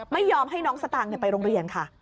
ไม่ยอมให้น้องสตางค์ไปโรงเรียนค่ะ